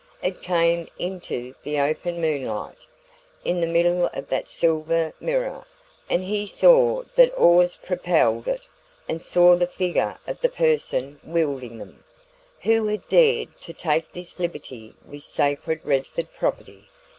It came into the open moonlight, into the middle of that silver mirror, and he saw that oars propelled it, and saw the figure of the person wielding them. Who had dared to take this liberty with sacred Redford property?